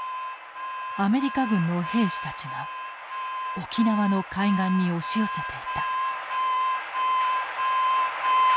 アメリカ軍の兵士たちが沖縄の海岸に押し寄せていた。